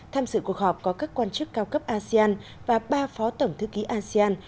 tham dự cuộc họp có các quan chức cao cấp asean và ba phó tổng thư ký asean